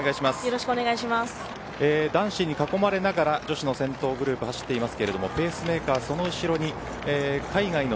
男子に囲まれながら女子の先頭グループが走っています。